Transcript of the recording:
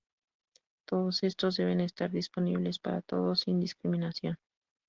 Todos estos deben estar disponibles para todos sin discriminación.